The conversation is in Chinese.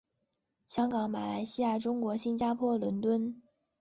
香港马来西亚中国新加坡伦敦